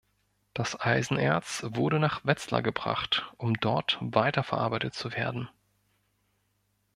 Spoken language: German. Das Eisenerz wurde nach Wetzlar gebracht um dort weiterverarbeitet zu werden.